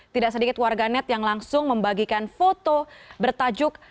tidak sedikit warga net yang langsung membagikan foto bertajuk